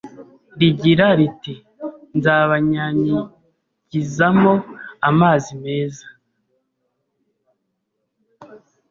rigira riti:nzabanyanyigizamo amazi meza,